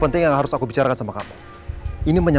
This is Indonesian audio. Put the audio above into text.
terima kasih ya